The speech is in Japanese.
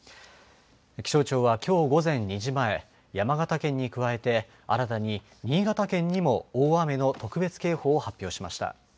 気象庁は、きょう午前２時前山形県に加えて新たに新潟県にも大雨の特別警報を発表しました。